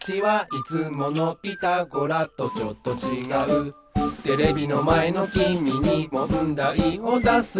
「いつもの『ピタゴラ』とちょっとちがう」「テレビのまえのきみにもんだいをだすぞ」